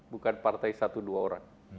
bukan partai satu dua orang